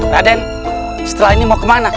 raden setelah ini mau kemana